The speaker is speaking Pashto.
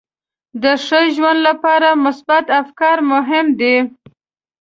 د ښه ژوند لپاره مثبت افکار مهم دي.